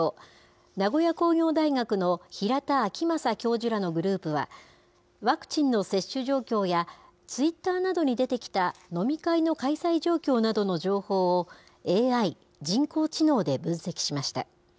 名古屋工業大学の平田晃正教授らのグループは、ワクチンの接種状況や、ツイッターなどに出てきた飲み会の開催状況などの情報を、ＡＩ・人工知能で分析しました。